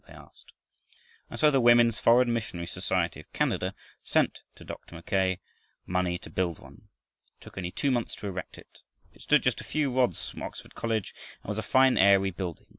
they asked. And so the Women's Foreign Missionary Society of Canada sent to Dr. Mackay money to build one. It took only two months to erect it. It stood just a few rods from Oxford College, and was a fine, airy building.